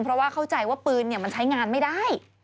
เพราะว่าเข้าใจว่าปืนมันใช้งานไม่ได้